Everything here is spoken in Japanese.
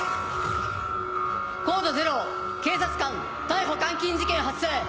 コード０警察官逮捕監禁事件発生！